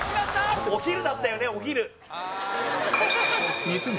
お昼だったよねお昼。